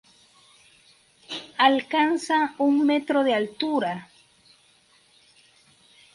Alcanza un metro de altura.